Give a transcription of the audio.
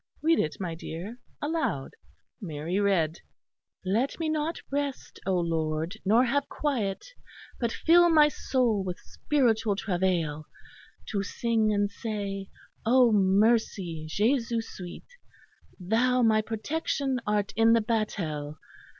"Read it, my dear, aloud." Mary read: "Let me not rest, O Lord, nor have quiet, But fill my soul with spiritual travail, To sing and say, O mercy, Jesu sweet; Thou my protection art in the battail.